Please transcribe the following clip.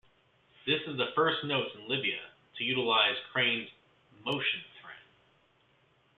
This is the first note in Libya to utilize Crane's "Motion" thread.